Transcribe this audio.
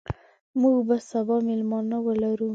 موږ به سبا میلمانه ولرو.